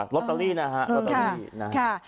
ลอตเตอรี่นะครับ